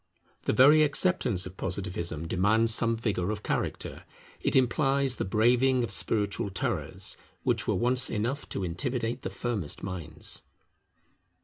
The very acceptance of Positivism demands some vigour of character; it implies the braving of spiritual terrors, which were once enough to intimidate the firmest minds.